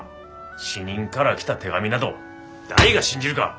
死人から来た手紙など誰が信じるか。